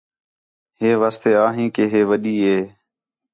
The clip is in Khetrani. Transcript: ہی واسطے آہیں کہ ہے وݙّی ہِے